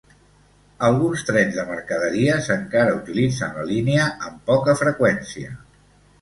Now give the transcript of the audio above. Alguns trens de mercaderies encara utilitzen la línia amb poca freqüència.